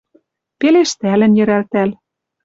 Пелештӓлӹн йӹрӓлтӓл: